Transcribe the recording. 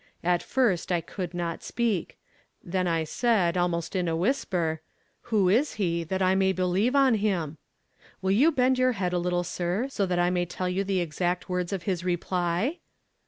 At first I could not speak — then I said, almost in a whisfjer, ' Who is he, that I may believe on him ?' Will you bend your head a little, sir, so that I may tell you the exact words of his reply?